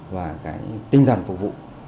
và cái tinh thần phục vụ